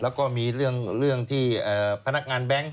แล้วก็มีเรื่องที่พนักงานแบงค์